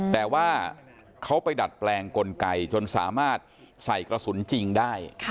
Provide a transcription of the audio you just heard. แต่ว่าเขาไปดัดแปลงกลไกจนสามารถใส่กระสุนจริงได้